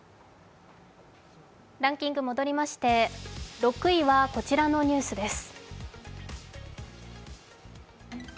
ランキング戻りまして６位はこちらのニュースです。